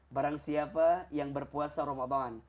barang siapa yang berpuasa ramadan